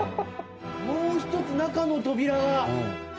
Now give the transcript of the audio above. もう１つ中の扉が。